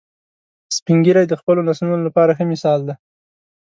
سپین ږیری د خپلو نسلونو لپاره ښه مثال دي